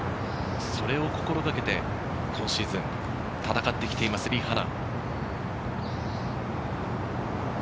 それを心がけて今シーズン戦っています、リ・ハナ。